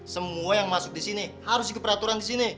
semua yang masuk disini harus ikut peraturan disini